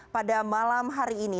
pada malam hari ini